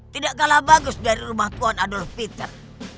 tidak kalah bagus dari rumah tuhan adolf peter